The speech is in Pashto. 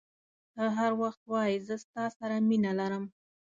ته هر وخت وایي زه ستا سره مینه لرم.